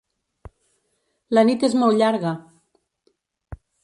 La nit és molt llarga.